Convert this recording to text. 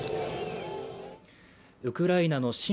ウクライナの親